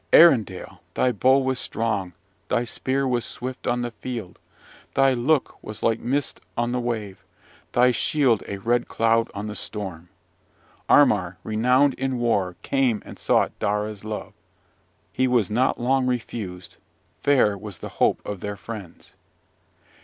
Arindal, thy bow was strong, thy spear was swift on the field, thy look was like mist on the wave, thy shield a red cloud in a storm! Armar, renowned in war, came and sought Daura's love. He was not long refused: fair was the hope of their friends.